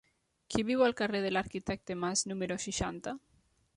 Qui viu al carrer de l'Arquitecte Mas número seixanta?